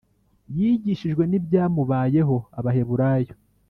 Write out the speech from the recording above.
yigishijwe n ibyamubayeho Abaheburayo